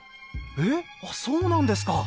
えっそうなんですか？